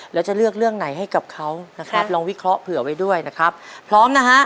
แล้วจะเลือกเรื่องไหนให้กับเขานะครับลองวิเคราะห์เผื่อไว้ด้วยนะครับพร้อมนะฮะ